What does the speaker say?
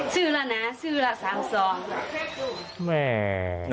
ซื้อแล้วนะซื้อแล้ว๓๒